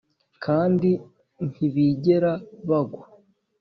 kandi ntibigera bagwa